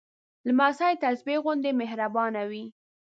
لمسی د تسبېح غوندې مهربانه وي.